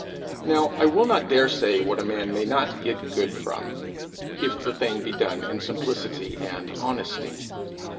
Now I will not dare say what a man may not get good from, if the thing be done in simplicity and honesty.